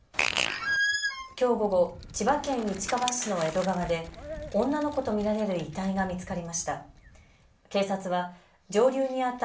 きょう午後、千葉県市川市の江戸川で女の子と見られる遺体が見つかりました。